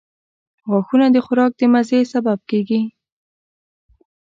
• غاښونه د خوراک د مزې سبب کیږي.